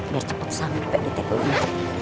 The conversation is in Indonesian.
biar cepet sampe di tpu nya